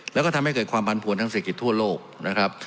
แล้วก็ทำให้เกิดความผันผวนทางเศรษฐกิจทั่วโลกนะครับ